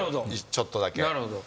ちょっとだけ。